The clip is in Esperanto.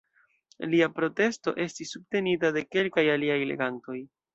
Lia protesto estis subtenita de kelkaj aliaj legantoj.